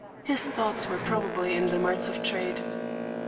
His thoughts were probably in the marts of trade.